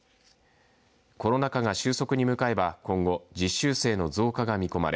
コロナ禍が収束に向かえば今後実習生の増加が見込まれ